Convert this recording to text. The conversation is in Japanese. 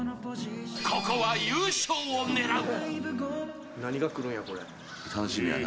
ここは優勝を狙う。